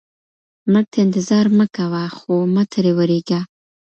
مرګ ته انتظار مه کوه خو مه ترې ویریږه.